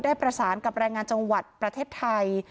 ประสานกับแรงงานจังหวัดประเทศไทย